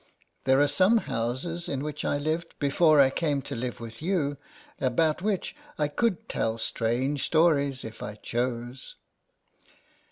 There are some houses in which I lived, before I came to live with you, about which I could tell strange stories if I chose.